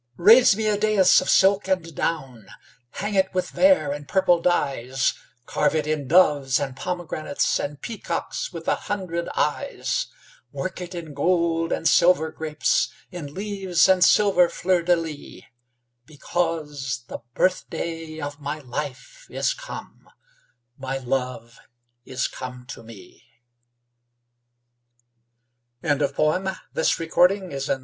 Raise me a dais of silk and down; Hang it with vair and purple dyes; Carve it in doves and pomegranates, And peacocks with a hundred eyes; Work it in gold and silver grapes, In leaves and silver fleurs de lys; Because the birthday of my life Is come, my love is come to me. REMEMBER. SONNET.